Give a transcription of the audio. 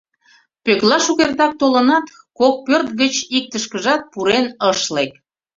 Пӧкла шукертак толынат, кок пӧрт гыч иктышкыжат пурен ыш лек.